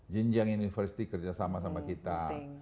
jinjiang university kerjasama sama kita